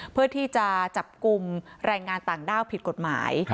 เพื่อที่จะจับกลุ่มแรงงานต่างด้าวผิดกฎหมาย